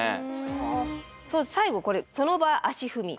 最後これその場足踏み。